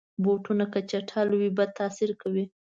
بوټونه که چټل وي، بد تاثیر کوي.